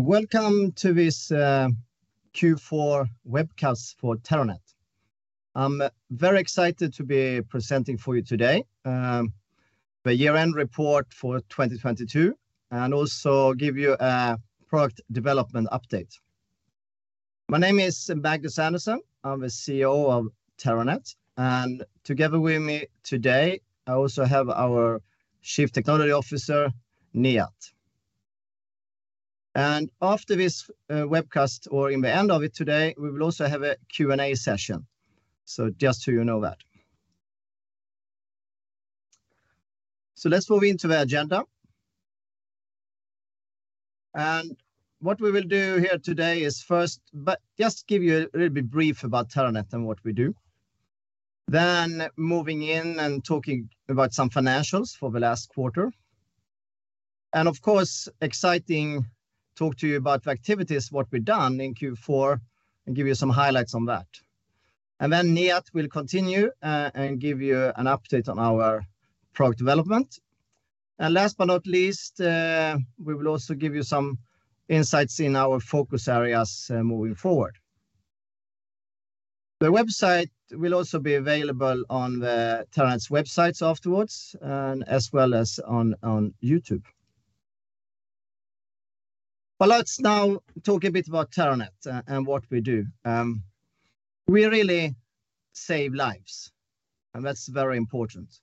Welcome to this Q4 webcast for Terranet. I'm very excited to be presenting for you today, the year-end report for 2022, and also give you a product development update. My name is Magnus Andersson. I'm the CEO of Terranet, and together with me today, I also have our Chief Technology Officer, Nihat. After this webcast, or in the end of it today, we will also have a Q&A session. Just so you know that. Let's move into the agenda. What we will do here today is first, but just give you a little bit brief about Terranet and what we do. Moving in and talking about some financials for the last quarter. Of course, exciting, talk to you about the activities, what we've done in Q4, and give you some highlights on that. Nihat will continue and give you an update on our product development. Last but not least, we will also give you some insights in our focus areas moving forward. The website will also be available on the Terranet's websites afterwards, as well as on YouTube. Let's now talk a bit about Terranet and what we do. We really save lives, and that's very important.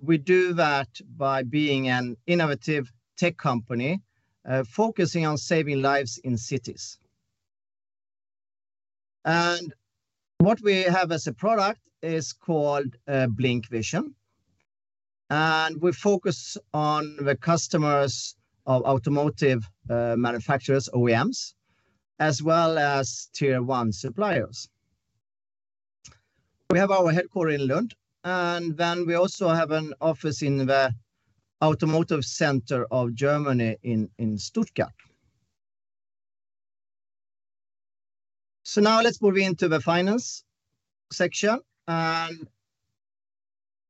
We do that by being an innovative tech company focusing on saving lives in cities. What we have as a product is called BlincVision. We focus on the customers of automotive manufacturers, OEMs, as well as Tier 1 suppliers. We have our headquarter in Lund, and then we also have an office in the automotive center of Germany in Stuttgart. Now let's move into the finance section.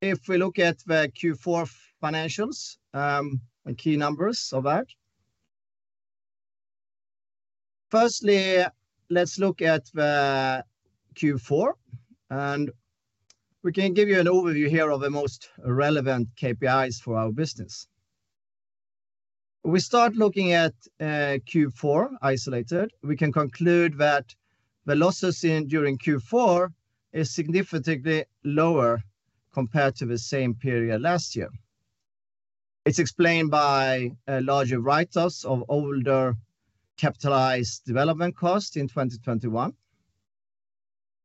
If we look at the Q4 financials, and key numbers of that. Firstly, let's look at the Q4, and we can give you an overview here of the most relevant KPIs for our business. We start looking at Q4 isolated. We can conclude that the losses in during Q4 are significantly lower compared to the same period last year. It's explained by a larger write-offs of older capitalized development costs in 2021.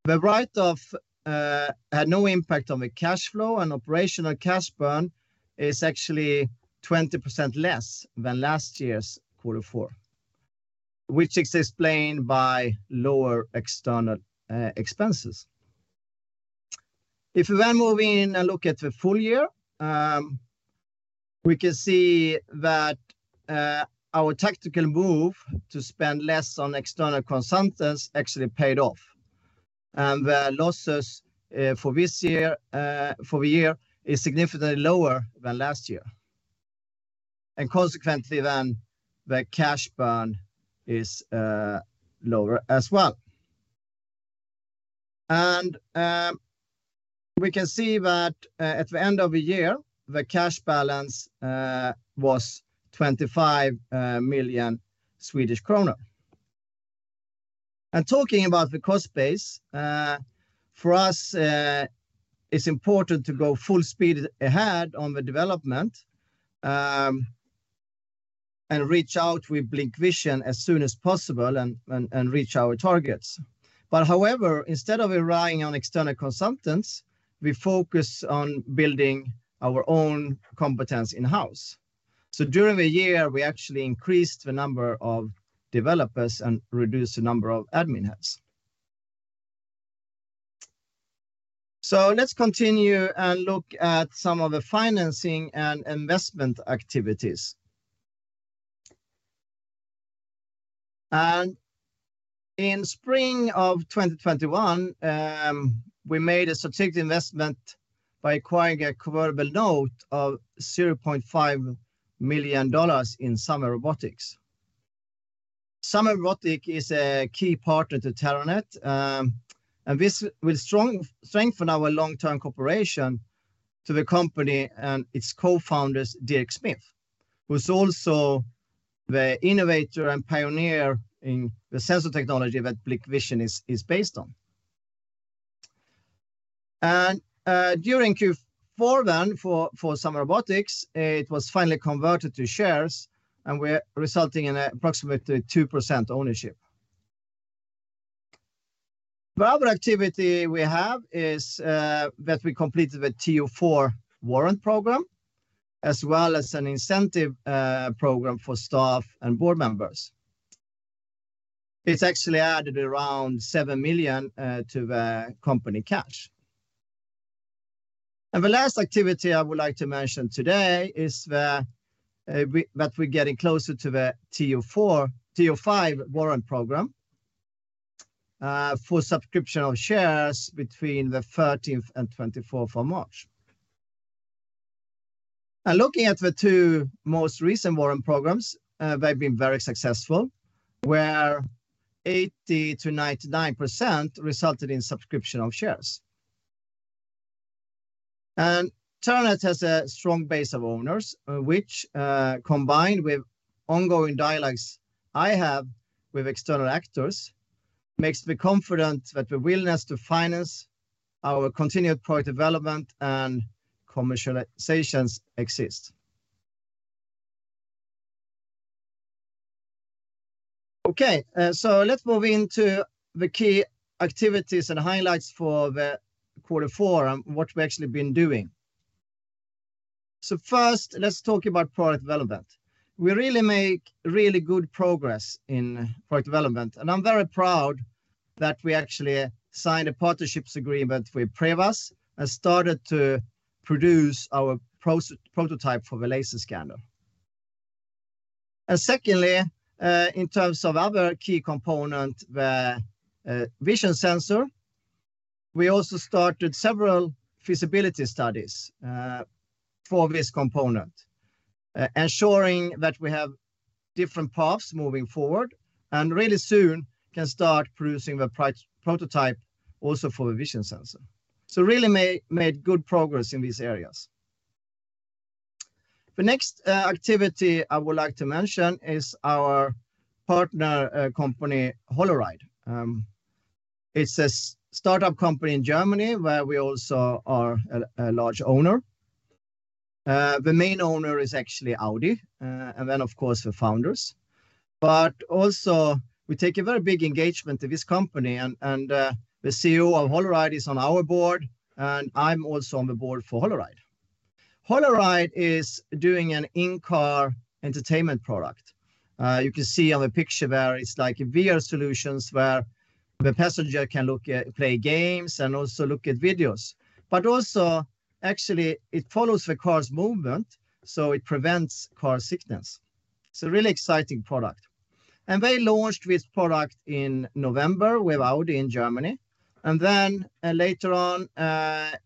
The write-off had no impact on the cash flow, and operational cash burn is actually 20% less than last year's Q4, which is explained by lower external expenses. If we then move in and look at the full year, we can see that our tactical move to spend less on external consultants actually paid off. The losses for this year, for the year, is significantly lower than last year. Consequently, the cash burn is lower as well. We can see that at the end of the year, the cash balance was 25 million SEK. Talking about the cost base for us, it's important to go full speed ahead on the development, and reach out with BlincVision as soon as possible and reach our targets. However, instead of relying on external consultants, we focus on building our own competence in-house. During the year, we actually increased the number of developers and reduced the number of admin heads. Let's continue and look at some of the financing and investment activities. In spring of 2021, we made a strategic investment by acquiring a convertible note of $0.5 million in Sommer〃Robotics. Sommer〃Robotics is a key partner to Terranet, and this will strengthen our long-term cooperation to the company and its co-founders, Dirk Smits, who's also the innovator and pioneer in the sensor technology that BlincVision is based on. During Q4 then, for Sommer〃Robotics, it was finally converted to shares, and we're resulting in approximately 2% ownership. The other activity we have is that we completed the TO4 warrant program, as well as an incentive program for staff and board members. It's actually added around 7 million to the company cash. The last activity I would like to mention today is the, that we're getting closer to the TO5 warrant program, for subscription of shares between the 13th and 24th of March. Looking at the two most recent warrant programs, they've been very successful, where 80%-99% resulted in subscription of shares. Terranet has a strong base of owners, which, combined with ongoing dialogues I have with external actors, makes me confident that the willingness to finance our continued product development and commercializations exist. Okay. Let's move into the key activities and highlights for the quarter four and what we've actually been doing. First, let's talk about product development. We really make really good progress in product development, and I'm very proud that we actually signed a partnerships agreement with Prevas and started to produce our prototype for the laser scanner. Secondly, in terms of other key component, the vision sensor, we also started several feasibility studies for this component, ensuring that we have different paths moving forward, and really soon can start producing the prototype also for the vision sensor. Really made good progress in these areas. The next activity I would like to mention is our partner company holoride. It's a startup company in Germany where we also are a large owner. The main owner is actually Audi, and then of course the founders. Also we take a very big engagement to this company and the CEO of holoride is on our board, and I'm also on the board for holoride. holoride is doing an in-car entertainment product. You can see on the picture there, it's like VR solutions where the passenger can look at, play games and also look at videos. Also, actually, it follows the car's movement, so it prevents car sickness. It's a really exciting product. They launched this product in November with Audi in Germany, later on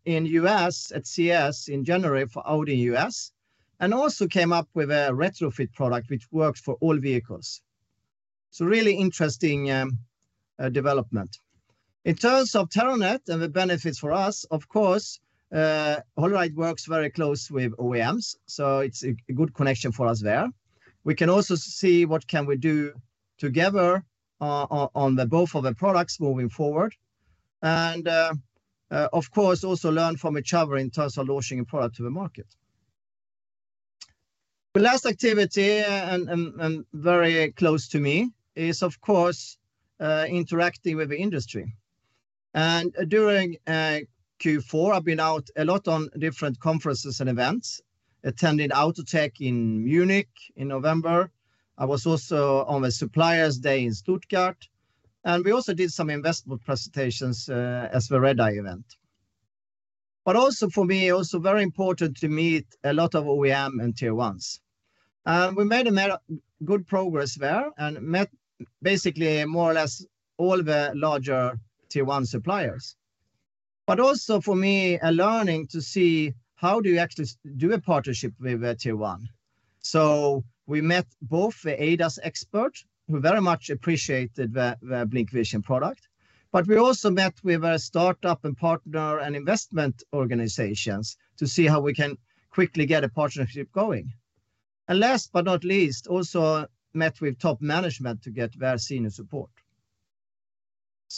in U.S. at CES in January for Audi U.S., and also came up with a retrofit product which works for all vehicles. It's a really interesting development. In terms of Terranet and the benefits for us, of course, holoride works very close with OEMs, so it's a good connection for us there. We can also see what can we do together on both of the products moving forward and, of course, also learn from each other in terms of launching a product to the market. The last activity and very close to me is, of course, interacting with the industry. During Q4, I've been out a lot on different conferences and events, attending AutoTech in Munich in November. I was also on the Suppliers Day in Stuttgart. We also did some investment presentations at the Redeye event. Also for me, also very important to meet a lot of OEM and Tier 1s. We made a lot of good progress there and met basically more or less all the larger Tier 1 suppliers. Also for me, a learning to see how do you actually do a partnership with a Tier 1. We met both the ADAS expert, who very much appreciated the BlincVision product, but we also met with a startup and partner and investment organizations to see how we can quickly get a partnership going. Last but not least, also met with top management to get their senior support.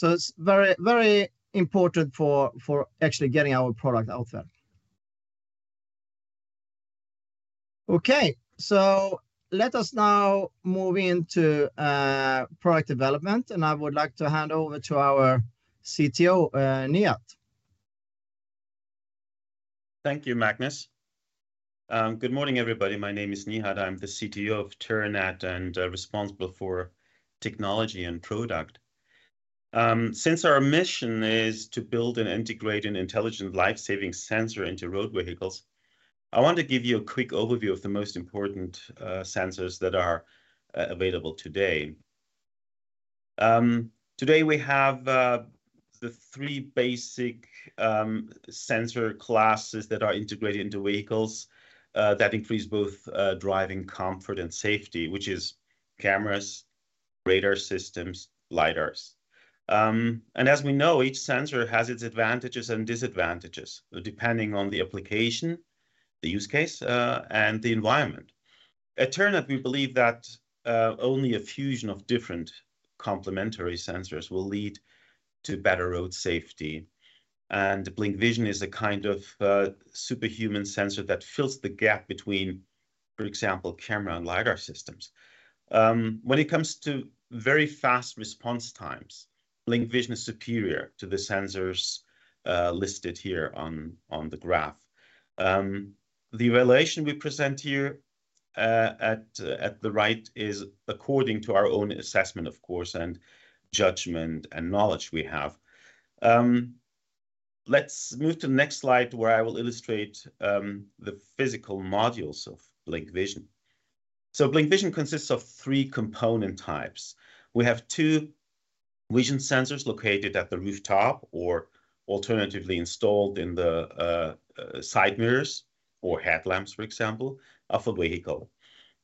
It's very, very important for actually getting our product out there. Okay. Let us now move into product development, and I would like to hand over to our CTO, Nihat. Thank you, Magnus. Good morning, everybody. My name is Nihat. I'm the CTO of Terranet and responsible for technology and product. Since our mission is to build and integrate an intelligent life-saving sensor into road vehicles, I want to give you a quick overview of the most important sensors that are available today. Today we have the three basic sensor classes that are integrated into vehicles that increase both driving comfort and safety, which is cameras, Radar systems, lidars. As we know, each sensor has its advantages and disadvantages, depending on the application, the use case, and the environment. At Terranet, we believe that only a fusion of different complementary sensors will lead to better road safety. BlincVision is a kind of superhuman sensor that fills the gap between, for example, camera and lidar systems. When it comes to very fast response times, BlincVision is superior to the sensors listed here on the graph. The evaluation we present here at the right is according to our own assessment, of course, and judgment and knowledge we have. Let's move to the next slide, where I will illustrate the physical modules of BlincVision. BlincVision consists of three component types. We have two vision sensors located at the rooftop or alternatively installed in the side mirrors or headlamps, for example, of a vehicle.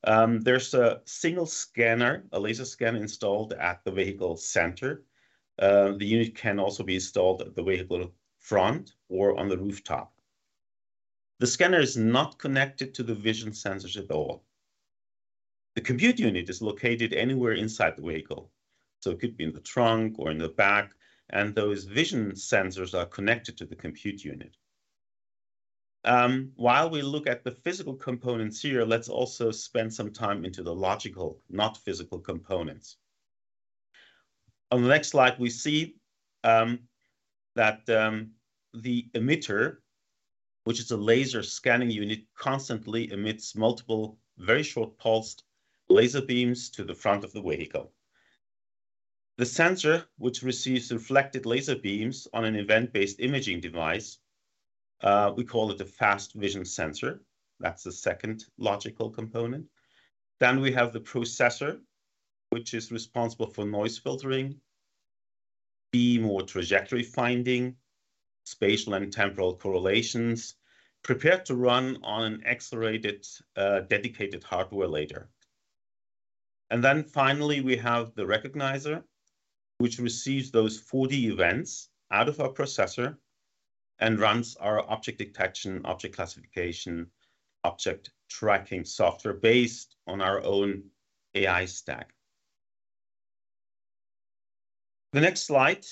There's a single scanner, a laser scanner installed at the vehicle center. The unit can also be installed at the vehicle front or on the rooftop. The scanner is not connected to the vision sensors at all. The compute unit is located anywhere inside the vehicle, so it could be in the trunk or in the back, and those vision sensors are connected to the compute unit. While we look at the physical components here, let's also spend some time into the logical, not physical components. On the next slide, we see that the emitter, which is a laser scanning unit, constantly emits multiple very short pulsed laser beams to the front of the vehicle. The sensor, which receives inflected laser beams on an event-based imaging device, we call it a fast vision sensor. That's the second logical component. We have the processor, which is responsible for noise filtering, beam or trajectory finding, spatial and temporal correlations, prepared to run on an accelerated, dedicated hardware later. Finally, we have the recognizer, which receives those 4D events out of our processor and runs our object detection, object classification, object tracking software based on our own AI stack. The next slide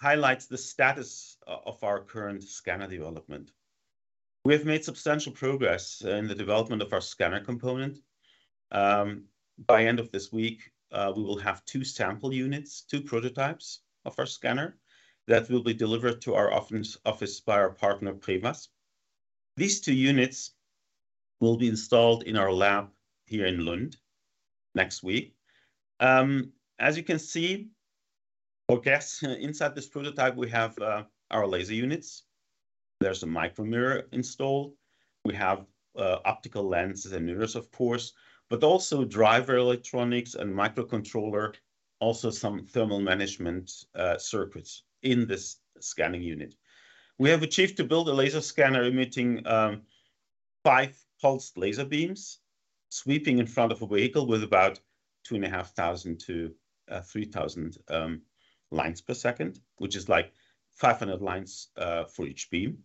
highlights the status of our current scanner development. We have made substantial progress in the development of our scanner component. By end of this week, we will have 2 sample units, 2 prototypes of our scanner that will be delivered to our office by our partner, Prevas. These 2 units will be installed in our lab here in Lund next week. As you can see, or guess, inside this prototype, we have our laser units. There's a micromirror installed. We have optical lenses and mirrors of course, but also driver electronics and microcontroller, also some thermal management circuits in this scanning unit. We have achieved to build a laser scanner emitting 5 pulsed laser beams sweeping in front of a vehicle with about 2,500-3,000 lines per second, which is like 500 lines for each beam.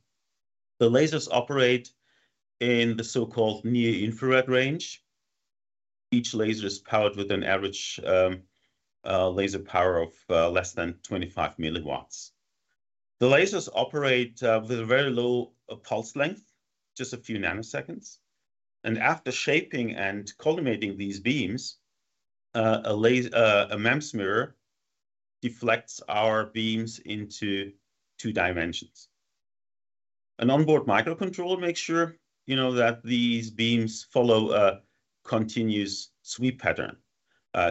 The lasers operate in the so-called near-infrared range. Each laser is powered with an average laser power of less than 25 milliwatts. The lasers operate with a very low pulse length, just a few nanoseconds. After shaping and collimating these beams, a MEMS mirror deflects our beams into two dimensions. An onboard microcontroller makes sure, you know, that these beams follow a continuous sweep pattern,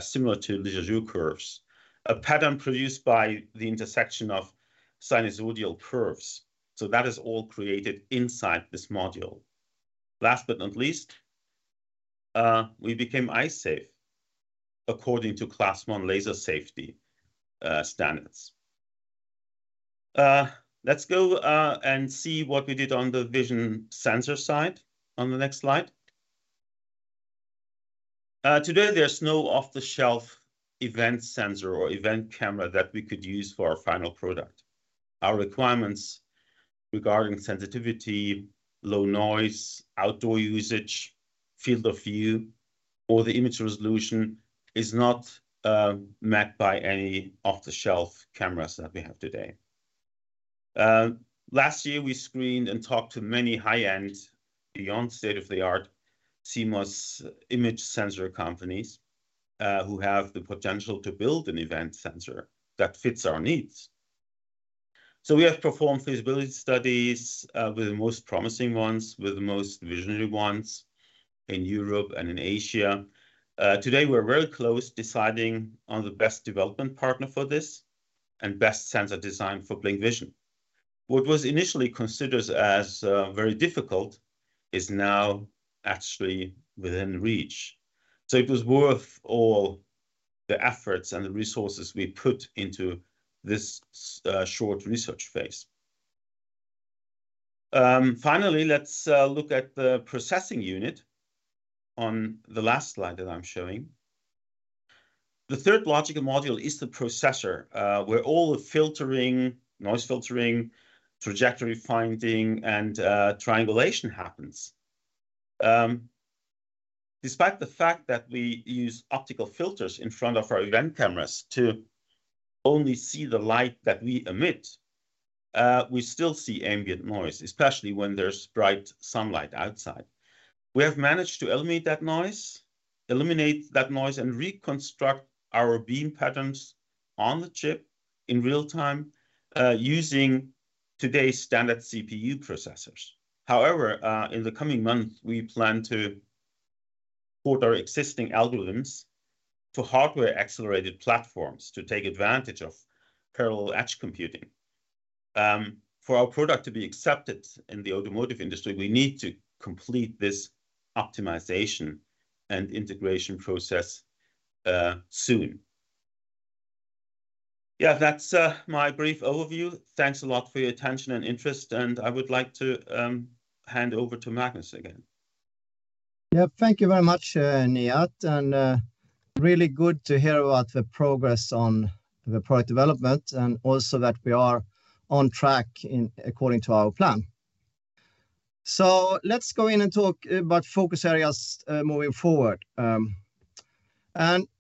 similar to Lissajous curves, a pattern produced by the intersection of sinusoidal curves. That is all created inside this module. Last but not least, we became eye safe according to Class 1 laser safety standards. Let's go and see what we did on the vision sensor side on the next slide. Today, there's no off-the-shelf event sensor or event camera that we could use for our final product. Our requirements regarding sensitivity, low noise, outdoor usage, field of view, or the image resolution is not met by any off-the-shelf cameras that we have today. Last year, we screened and talked to many high-end, beyond state-of-the-art CMOS image sensor companies who have the potential to build an event sensor that fits our needs. We have performed feasibility studies with the most promising ones, with the most visionary ones in Europe and in Asia. Today, we're very close deciding on the best development partner for this and best sensor design for BlincVision. What was initially considered as very difficult is now actually within reach. It was worth all the efforts and the resources we put into this short research phase. Finally, let's look at the processing unit on the last slide that I'm showing. The third logical module is the processor, where all the filtering, noise filtering, trajectory finding, and triangulation happens. Despite the fact that we use optical filters in front of our event cameras to only see the light that we emit, we still see ambient noise, especially when there's bright sunlight outside. We have managed to eliminate that noise and reconstruct our beam patterns on the chip in real time, using today's standard CPU processors. In the coming months, we plan to put our existing algorithms to hardware-accelerated platforms to take advantage of parallel edge computing. For our product to be accepted in the automotive industry, we need to complete this optimization and integration process soon. Yeah, that's my brief overview. Thanks a lot for your attention and interest, and I would like to hand over to Magnus again. Thank you very much, Nihat, really good to hear about the progress on the product development and also that we are on track according to our plan. Let's go in and talk about focus areas moving forward.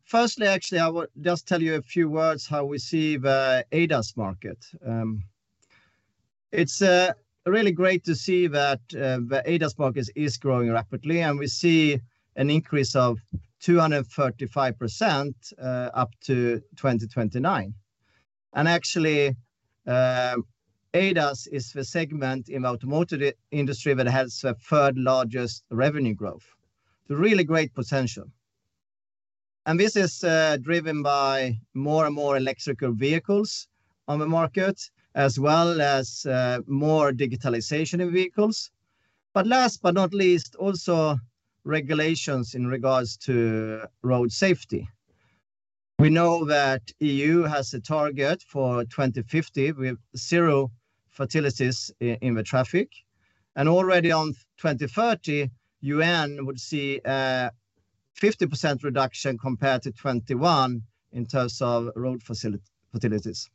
Firstly actually, I will just tell you a few words how we see the ADAS market. It's really great to see that the ADAS market is growing rapidly, we see an increase of 235% up to 2029. Actually, ADAS is the segment in automotive industry that has the third-largest revenue growth, really great potential. This is driven by more and more electrical vehicles on the market as well as more digitalization in vehicles, last but not least, also regulations in regards to road safety. We know that EU has a target for 2050 with zero fatalities in the traffic. Already on 2030, UN would see 50% reduction compared to 2021 in terms of road fatalities.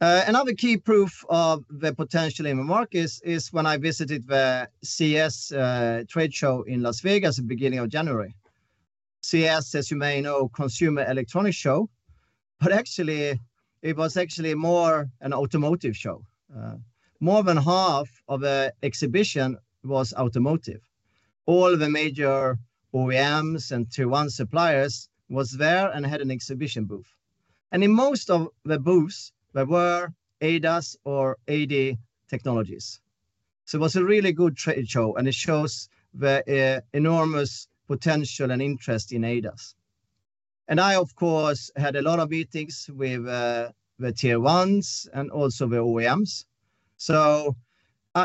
Another key proof of the potential in the market is when I visited the CES trade show in Las Vegas the beginning of January. CES, as you may know, Consumer Electronics Show. Actually, it was actually more an automotive show. More than half of the exhibition was automotive. All the major OEMs and Tier 1 suppliers was there and had an exhibition booth. In most of the booths, there were ADAS or AD technologies. It was a really good trade show, and it shows the enormous potential and interest in ADAS. I, of course, had a lot of meetings with the Tier 1s and also the OEMs.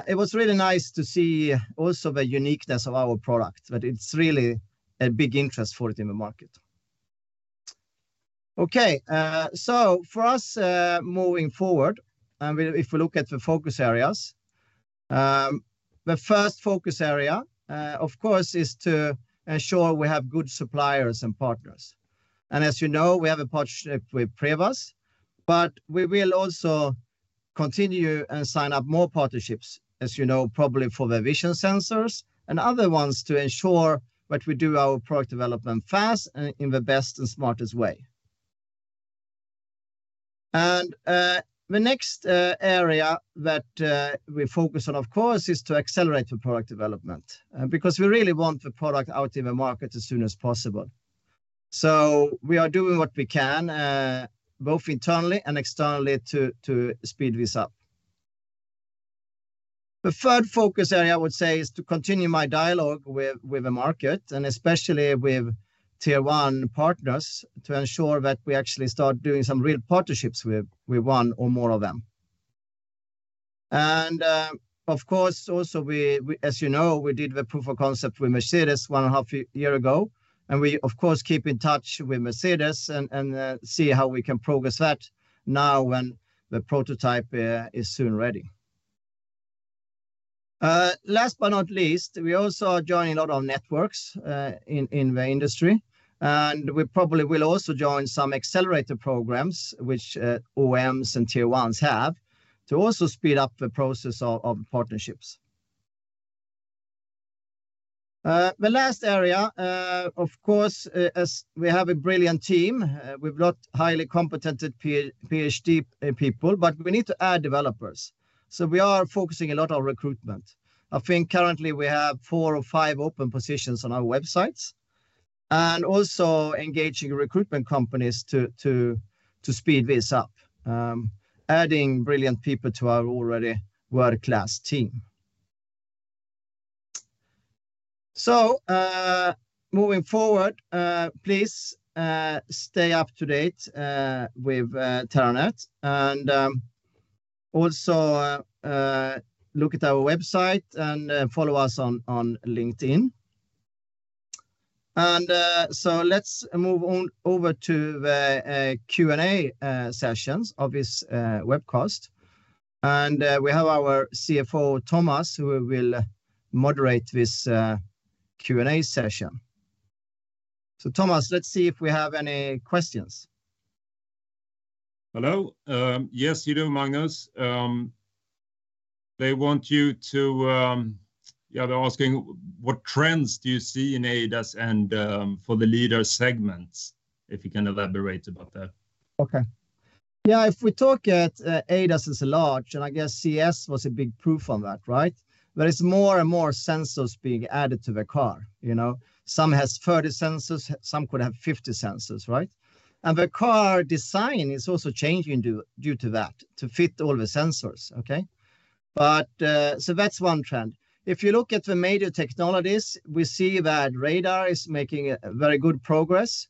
It was really nice to see also the uniqueness of our product, that it's really a big interest for it in the market. Okay, for us, moving forward, and we, if we look at the focus areas, the first focus area, of course, is to ensure we have good suppliers and partners. As you know, we have a partnership with Prevas, but we will also continue and sign up more partnerships, as you know, probably for the vision sensors and other ones to ensure that we do our product development fast and in the best and smartest way. The next area that we focus on, of course, is to accelerate the product development because we really want the product out in the market as soon as possible. We are doing what we can, both internally and externally to speed this up. The third focus area, I would say, is to continue my dialogue with the market and especially with Tier 1 partners to ensure that we actually start doing some real partnerships with one or more of them. Of course, also we, as you know, we did the proof of concept with Mercedes 1.5 year ago, and we, of course, keep in touch with Mercedes and see how we can progress that now when the prototype is soon ready. Last but not least, we also are joining a lot of networks in the industry. We probably will also join some accelerator programs which OEMs and Tier 1s have to also speed up the process of partnerships. The last area, of course, as we have a brilliant team. We've got highly competent PhD people, but we need to add developers, so we are focusing a lot on recruitment. I think currently we have 4 or 5 open positions on our websites and also engaging recruitment companies to speed this up, adding brilliant people to our already world-class team. Moving forward, please stay up to date with Terranet and also look at our website and follow us on LinkedIn. Let's move on over to the Q&A sessions of this webcast. We have our CFO, Thomas, who will moderate this Q&A session. Thomas, let's see if we have any questions. Hello. Yes, you do, Magnus. They're asking: What trends do you see in ADAS and for the lidar segments? If you can elaborate about that. Okay. Yeah, if we talk at ADAS as a large, I guess CES was a big proof on that, right? There is more and more sensors being added to the car, you know. Some has 30 sensors. Some could have 50 sensors, right? The car design is also changing due to that, to fit all the sensors, okay? That's one trend. If you look at the major technologies, we see that radar is making very good progress.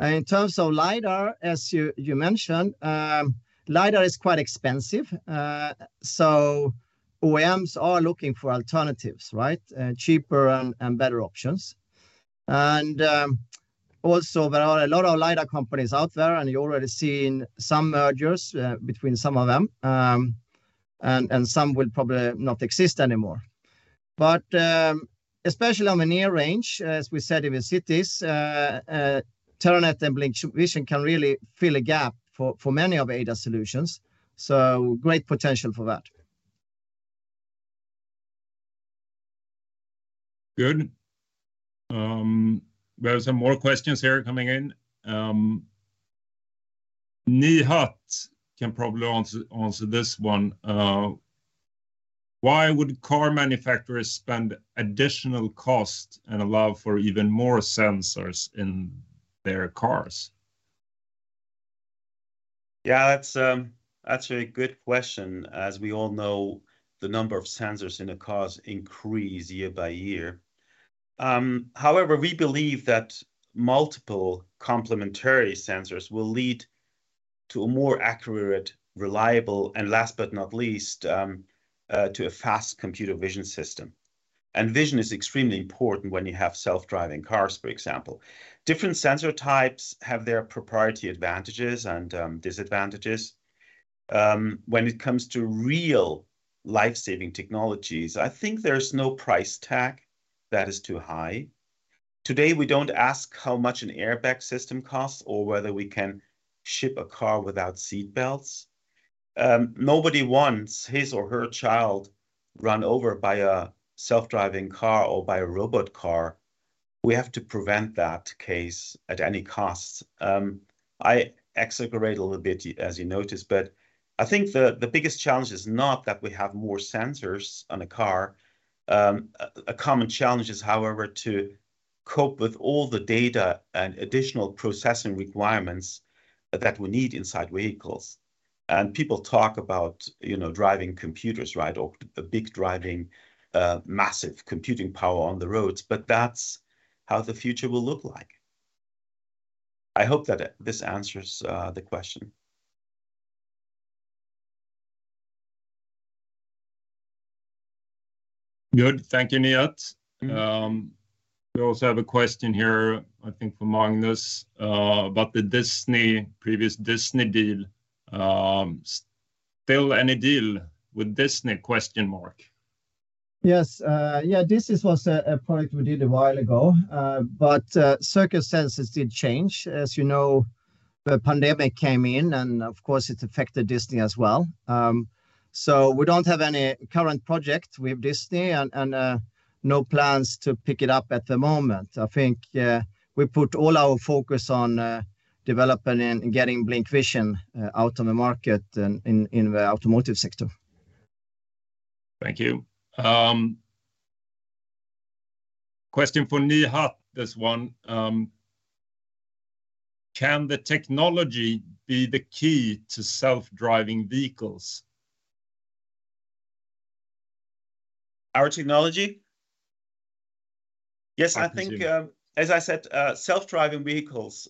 In terms of lidar, as you mentioned, lidar is quite expensive. OEMs are looking for alternatives, right? Cheaper and better options. Also there are a lot of lidar companies out there, and you're already seeing some mergers between some of them. Some will probably not exist anymore. But especially on the near range, as we said in the cities, Terranet and BlincVision can really fill a gap for many of ADAS solutions. Great potential for that. Good. We have some more questions here coming in. Nihat can probably answer this one. Why would car manufacturers spend additional cost and allow for even more sensors in their cars? That's a good question. As we all know, the number of sensors in a cars increase year by year. However, we believe that multiple complementary sensors will lead to a more accurate, reliable, and last but not least, to a fast computer vision system. Vision is extremely important when you have self-driving cars, for example. Different sensor types have their proprietary advantages and disadvantages. When it comes to real life-saving technologies, I think there's no price tag that is too high. Today, we don't ask how much an airbag system costs or whether we can ship a car without seat belts. Nobody wants his or her child run over by a self-driving car or by a robot car. We have to prevent that case at any cost. I exaggerate a little bit, as you noticed, but I think the biggest challenge is not that we have more sensors on a car. A common challenge is, however, to cope with all the data and additional processing requirements that we need inside vehicles. People talk about, you know, driving computers, right, or a big driving, massive computing power on the roads, but that's how the future will look like. I hope that this answers the question. Good. Thank you, Nihat. We also have a question here, I think for Magnus, about the Disney, previous Disney deal. Still any deal with Disney? Yes. Yeah, Disney was a product we did a while ago. Circumstances did change. As you know, the pandemic came in, of course, it affected Disney as well. We don't have any current project with Disney and no plans to pick it up at the moment. I think we put all our focus on developing and getting BlincVision out on the market and in the automotive sector. Thank you. Question for Nihat, this one. Can the technology be the key to self-driving vehicles? Our technology? I presume. Yes. I think, as I said, self-driving vehicles,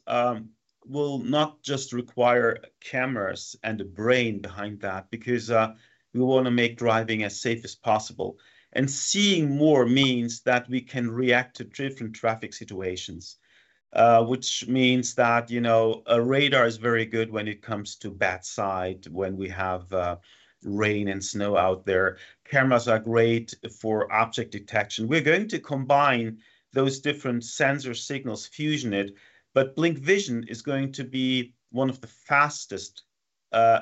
will not just require cameras and the brain behind that because, we wanna make driving as safe as possible. Seeing more means that we can react to different traffic situations, which means that, you know, a radar is very good when it comes to bad side, when we have rain and snow out there. Cameras are great for object detection. We're going to combine those different sensor signals, fusion it, but BlincVision is going to be one of the fastest,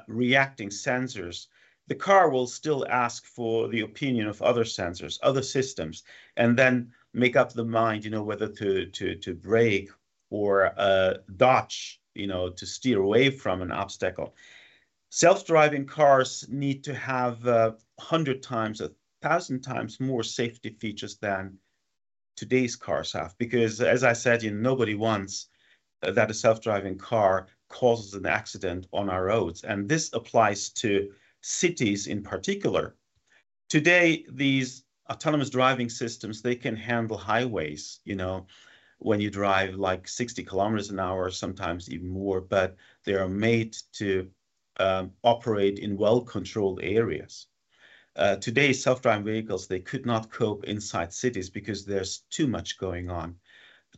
reacting sensors. The car will still ask for the opinion of other sensors, other systems, and then make up the mind, you know, whether to break or dodge, you know, to steer away from an obstacle. Self-driving cars need to have 100 times, 1,000 times more safety features than today's cars have because, as I said, you know, nobody wants that a self-driving car causes an accident on our roads, and this applies to cities in particular. Today, these autonomous driving systems, they can handle highways, you know, when you drive like 60 kilometers an hour, sometimes even more, but they are made to operate in well-controlled areas. Today's self-driving vehicles, they could not cope inside cities because there's too much going on.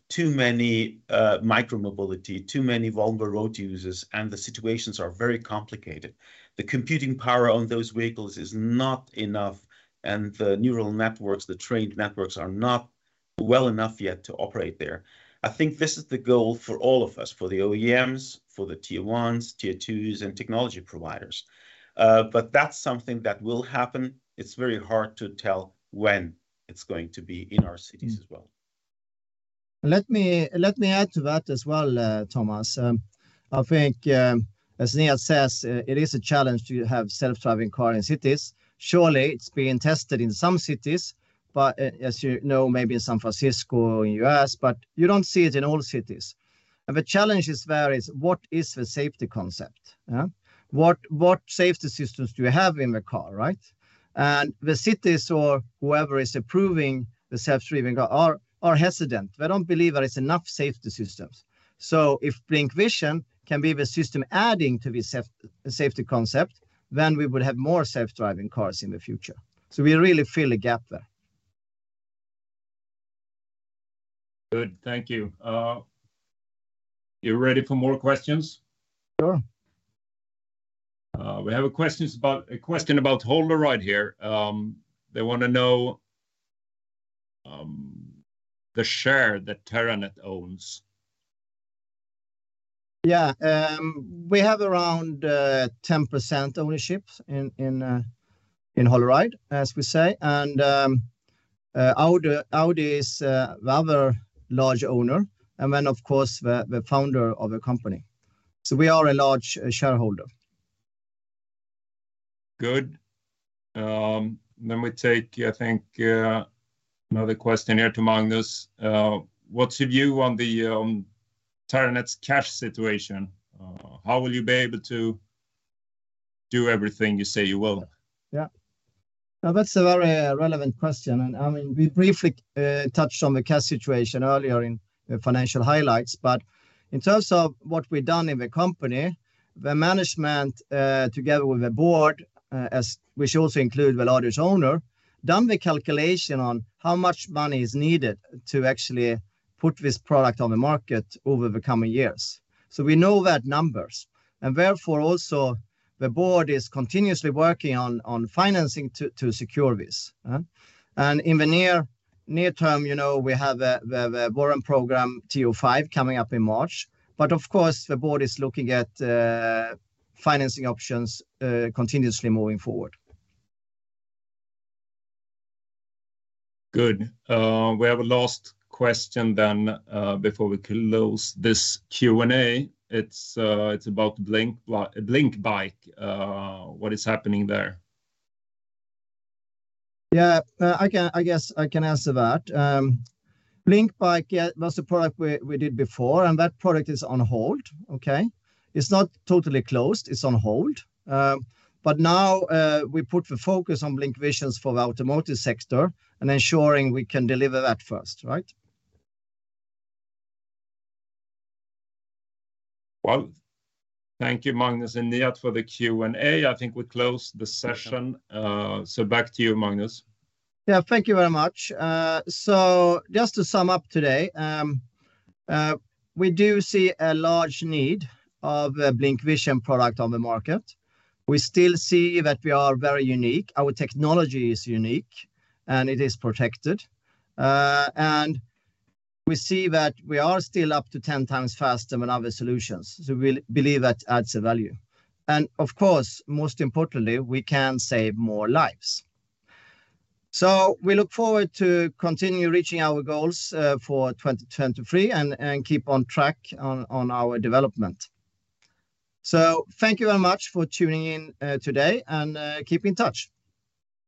Too many micro-mobility, too many vulnerable road users, the situations are very complicated. The computing power on those vehicles is not enough, the neural networks, the trained networks are not well enough yet to operate there. I think this is the goal for all of us, for the OEMs, for the Tier ones, Tier twos, and technology providers. That's something that will happen. It's very hard to tell when it's going to be in our cities as well. Let me add to that as well, Thomas. I think as Nihat says, it is a challenge to have self-driving car in cities. Surely, it's being tested in some cities. As you know, maybe in San Francisco, in the U.S., but you don't see it in all cities. The challenge is there is what is the safety concept? What safety systems do you have in the car, right? The cities or whoever is approving the self-driving car are hesitant. They don't believe there is enough safety systems. If BlincVision can be the system adding to the safety concept, then we would have more self-driving cars in the future. We really fill a gap there. Good. Thank you. You ready for more questions? Sure. We have a question about holoride here. They wanna know, the share that Terranet owns. Yeah. We have around 10% ownership in holoride, as we say. Audi is a rather large owner and then of course the founder of the company. We are a large shareholder. Good. We take, I think, another question here to Magnus. What's your view on the Terranet's cash situation? How will you be able to do everything you say you will? Yeah. That's a very relevant question, I mean, we briefly touched on the cash situation earlier in the financial highlights. In terms of what we've done in the company, the management, together with the board, as, which also include the largest owner, done the calculation on how much money is needed to actually put this product on the market over the coming years. We know that numbers, and therefore, also the board is continuously working on financing to secure this. Huh? In the near term, you know, we have the warrant program TO5 coming up in March, of course, the board is looking at financing options continuously moving forward. Good. We have a last question then, before we close this Q&A. It's about BlincBike. What is happening there? I guess I can answer that. BlincBike, that's a product we did before, and that product is on hold. Okay? It's not totally closed, it's on hold. Now, we put the focus on BlincVision for the automotive sector and ensuring we can deliver that first, right? Well, thank you Magnus and Nihat for the Q&A. I think we close the session. Back to you, Magnus. Yeah. Thank you very much. Just to sum up today, we do see a large need of a BlincVision product on the market. We still see that we are very unique. Our technology is unique, and it is protected. We see that we are still up to 10 times faster than other solutions, so we believe that adds a value. Of course, most importantly, we can save more lives. We look forward to continue reaching our goals for 2023, and keep on track on our development. Thank you very much for tuning in today, and keep in touch.